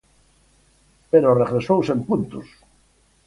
Pero regresou sen puntos.